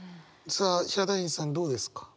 さあヒャダインさんどうですか？